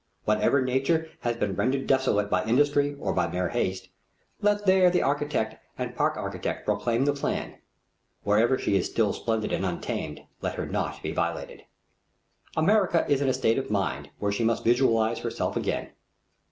Wherever nature has been rendered desolate by industry or mere haste, there let the architect and park architect proclaim the plan. Wherever she is still splendid and untamed, let her not be violated. America is in the state of mind where she must visualize herself again.